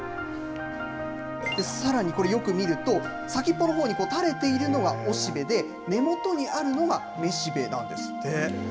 さらにこれ、よく見ると、先っぽのほうに垂れているのは雄しべで、根元にあるのが雌しべなんですって。